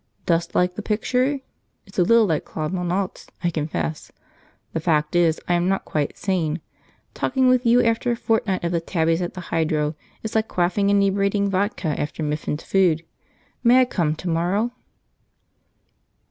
Dost like the picture? It's a little like Claude Melnotte's, I confess. The fact is I am not quite sane; talking with you after a fortnight of the tabbies at the Hydro is like quaffing inebriating vodka after Miffin's Food! May I come to morrow?"